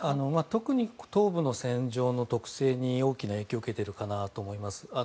特に東部の戦場の特性に大きな影響を受けているかなと思います。